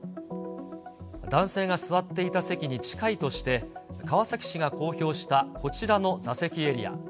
男性が座っていた席に近いとして、川崎市が公表したこちらの座席エリア。